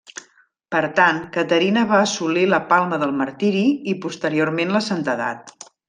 Per tant, Caterina va assolir la palma del martiri i posteriorment la santedat.